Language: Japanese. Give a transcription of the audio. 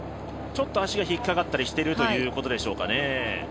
ちょっと足が引っかかったりしているということでしょうか。